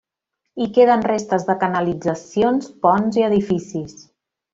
Hi queden restes de canalitzacions, ponts i edificis.